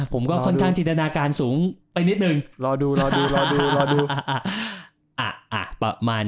ผมก็ค่อนข้างจินตนาการสูงไปนิดนึงรอดูรอดูรอดูรอดูอ่ะประมาณ